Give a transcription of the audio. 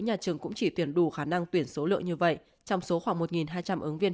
nhà trường cũng chỉ tuyển đủ khả năng tuyển số lợi như vậy trong số khoảng một hai trăm linh ứng viên